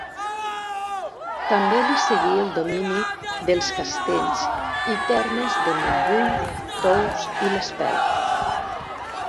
També li cedí el domini dels castells i termes de Montbui, Tous i l'Espelt.